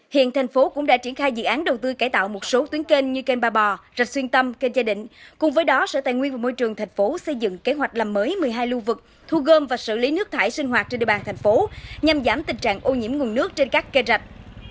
hiện thành phố cũng đã triển khai dự án đầu tư cải tạo một số tuyến kênh như kênh ba bò rạch xuyên tâm kênh gia định cùng với đó sở tài nguyên và môi trường thành phố xây dựng kế hoạch làm mới một mươi hai lưu vực thu gom và xử lý nước thải sinh hoạt trên địa bàn thành phố nhằm giảm tình trạng ô nhiễm nguồn nước trên các kênh rạch